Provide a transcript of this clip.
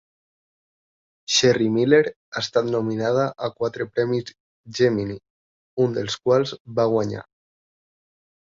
Sherry Miller ha estat nominada a quatre premis Gemini, un dels quals va guanyar.